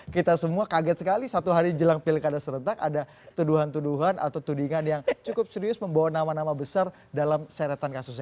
kita semua kaget sekali satu hari jelang pilkada serentak ada tuduhan tuduhan atau tudingan yang cukup serius membawa nama nama besar dalam seretan kasusnya